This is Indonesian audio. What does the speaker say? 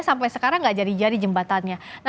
sampai sekarang gak jadi jadi jembatannya